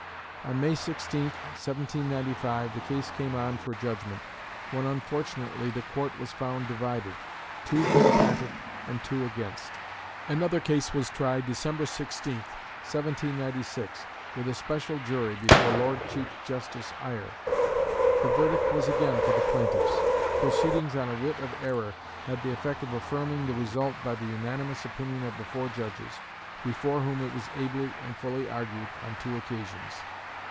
On May 16, 1795, the case came on for judgment, when unfortunately the court was found divided, two for the patent and two against. Another case was tried December 16, 1796, with a special jury, before Lord Chief Justice Eyre; the verdict was again for the plaintiffs. Proceedings on a writ of error had the effect of affirming the result by the unanimous opinion of the four judges, before whom it was ably and fully argued on two occasions.